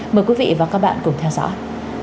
mời quý vị và các bạn cùng theo dõi